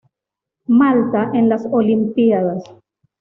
Malta en las Olimpíadas